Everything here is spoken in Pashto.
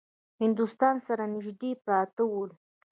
د هندوستان سره نیژدې پراته ول.